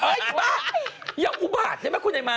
เอ๊ยอย่าอุบาทใช่ไหมคุณใหญ่ม้า